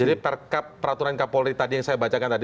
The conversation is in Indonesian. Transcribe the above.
jadi peraturan kapolri yang saya bacakan tadi